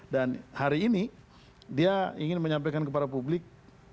dan hari ini dia ingin menyampaikan kepada bapak suharto